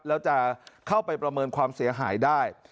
แล้วจะเข้าไปประเมินความเสียหายได้